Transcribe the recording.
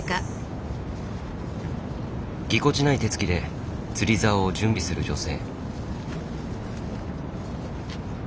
ぎこちない手つきで釣りざおを準備する女性。